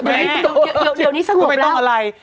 ไม่ต้องอะไร